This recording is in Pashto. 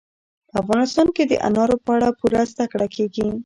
په افغانستان کې د انارو په اړه پوره زده کړه کېږي.